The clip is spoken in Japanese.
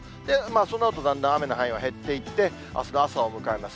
そのあとだんだん雨の範囲は減っていって、あすの朝を迎えます。